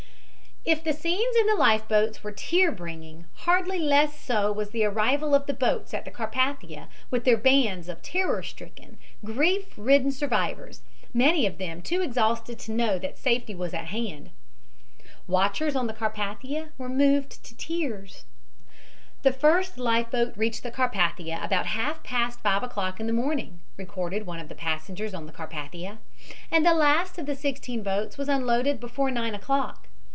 IF the scenes in the life boats were tear bringing, hardly less so was the arrival of the boats at the Carpathia with their bands of terror stricken, grief ridden survivors, many of them too exhausted to know that safety was at hand. Watchers on the Carpathia were moved to tears. "The first life boat reached the Carpathia about half past five o'clock in the morning," recorded one of the passengers on the Carpathia. "And the last of the sixteen boats was unloaded before nine o'clock.